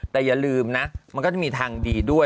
แต่อย่าลืมนะมันก็จะมีทางดีด้วย